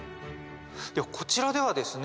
こちらではですね